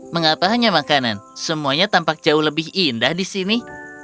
mengapa hanya makanan semuanya tampak jauh lebih indah di sini